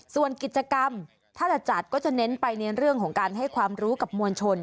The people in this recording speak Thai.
ส่วนกิจกรรมถ้าจะจัดก็จะเน้นไปในเรื่องของการให้ความรู้กับมวลชน